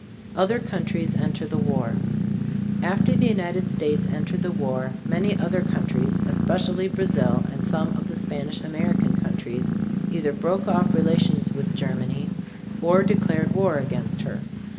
OTHER COUNTRIES ENTER THE WAR. After the United States entered the war, many other countries, especially Brazil and some of the Spanish American countries, either broke off relations with Germany or declared war against her.